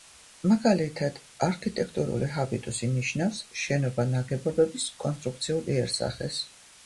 მაგალითად არქიტექტურული ჰაბიტუსი ნიშნავს შენობა-ნაგებობის კონსტრუქციულ იერსახეს.